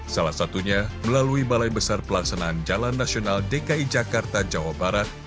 salah satunya melalui balai besar pelaksanaan jalan nasional dki jakarta jawa barat